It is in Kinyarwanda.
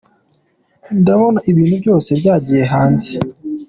Ndabona ibintu byose byagiye hanze !